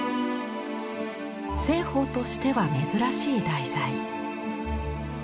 栖鳳としては珍しい題材。